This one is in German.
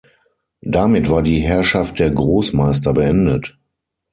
Damit war die Herrschaft der Großmeister beendet.